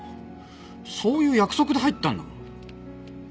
そういう約束で入ったんだもん。